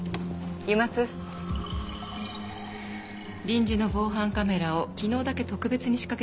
臨時の防犯カメラを昨日だけ特別に仕掛けてみました。